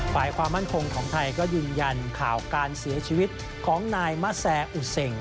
ฝ่ายความมั่นคงของไทยก็ยืนยันข่าวการเสียชีวิตของนายมะแซ่อุเซง